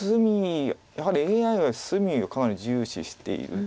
やはりＡＩは隅をかなり重視している。